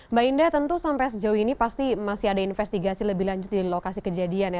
mbak indah tentu sampai sejauh ini pasti masih ada investigasi lebih lanjut dari lokasi kejadian ya